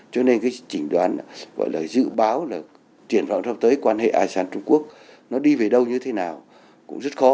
cho nên cái chỉnh đoán gọi là dự báo là triển vọng sắp tới quan hệ asean trung quốc nó đi về đâu như thế nào cũng rất khó